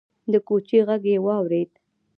د کوچي غږ يې واورېد: